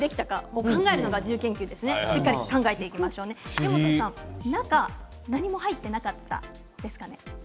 イモトさん中に何も入っていなかったですかね。